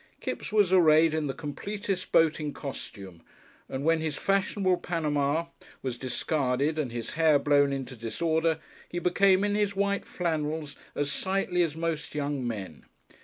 Kipps was arrayed in the completest boating costume, and when his fashionable Panama was discarded and his hair blown into disorder he became, in his white flannels, as sightly as most young men.